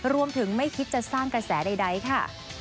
รวมถึงไม่คิดจะสร้างกระแสใดค่ะ